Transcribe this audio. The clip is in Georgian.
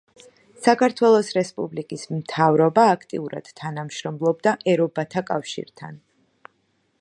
საქართველოს რესპუბლიკის მთავრობა აქტიურად თანამშრომლობდა „ერობათა კავშირთან“.